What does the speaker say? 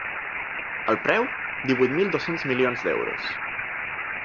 El preu? divuit mil dos-cents milions d’euros.